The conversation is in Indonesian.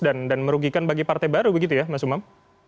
merugikan bagi partai baru begitu ya mas umam